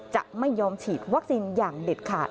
จะไม่ยอมฉีดวัคซีนอย่างเด็ดขาด